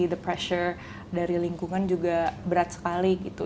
the pressure dari lingkungan juga berat sekali gitu